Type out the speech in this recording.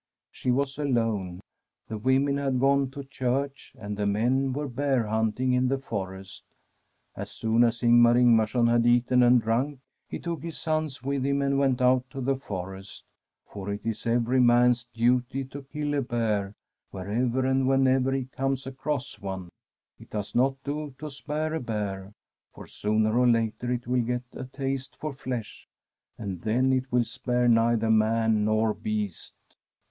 She was alone ; the women had gone to church, and the men were bear hunting in the forest. As soon as Ingmar Ingmarson had eaten and drunk, he took his sons with him and went out to the forest ; for it is every man's duty to kill a bear wherever and whenever he comes across one. It does not do to spare a bear, for sooner or later it will get a taste for flesh, and then it will spare neither man nor beast.